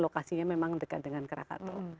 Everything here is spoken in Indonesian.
lokasinya memang dekat dengan krakato